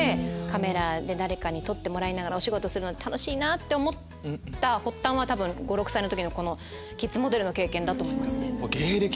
カメラで撮ってもらいながらお仕事するの楽しいな！って思った発端は５６歳の時のキッズモデルの経験だと思います。